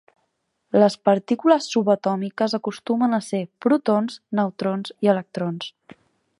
Les partícules subatòmiques acostumen a ser: protons, neutrons i electrons.